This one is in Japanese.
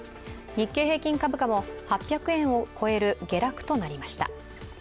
日経平均株価も８００円を超える下落となりました。